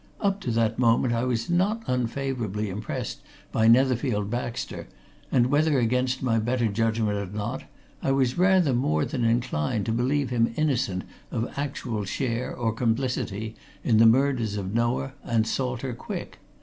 Up to that moment I was not unfavourably impressed by Netherfield Baxter, and, whether against my better judgment or not, I was rather more than inclined to believe him innocent of actual share or complicity in the murders of Noah and Salter Quick.